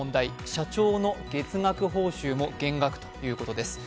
社長の月額報酬も減額ということです。